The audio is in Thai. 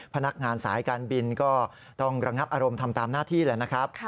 พนักงานสายการบินก็ต้องระงับอารมณ์ทำตามหน้าที่แหละนะครับ